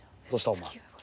お前。